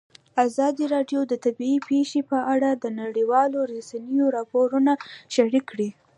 ازادي راډیو د طبیعي پېښې په اړه د نړیوالو رسنیو راپورونه شریک کړي.